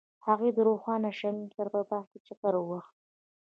هغوی د روښانه شمیم سره په باغ کې چکر وواهه.